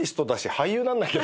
俳優なんだけど。